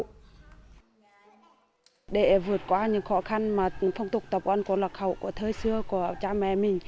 có khăn mà phong tục tập quân của lạc hậu của thời xưa của cha mẹ mình